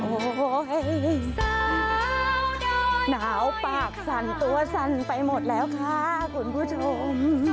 โอ้โหหนาวปากสั่นตัวสั่นไปหมดแล้วค่ะคุณผู้ชม